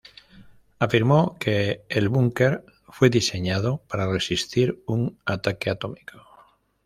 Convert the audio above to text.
Afirmó que el búnker fue diseñado para resistir un ataque atómico.